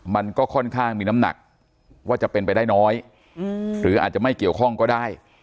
มันก็ค่อนข้างมีน้ำหนักว่าจะเป็นไปได้น้อยหรืออาจจะไม่เกี่ยวข้องก็ได้